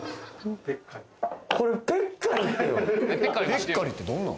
ペッカリってどんなん？